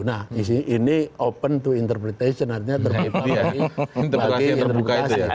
nah ini open to interpretation artinya terkutih